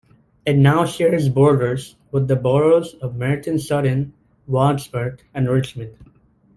It now shares borders with the boroughs of Merton, Sutton, Wandsworth and Richmond.